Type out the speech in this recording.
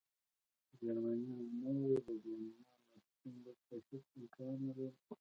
جرمنیان نه و، د جرمنیانو شتون دلته هېڅ امکان نه لري.